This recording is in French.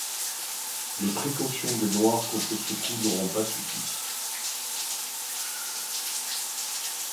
Les précautions des noirs contre ce coup n'auront pas suffit.